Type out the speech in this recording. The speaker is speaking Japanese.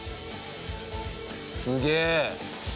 すげえ！